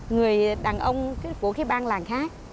người đàn ông của cái bang làng khác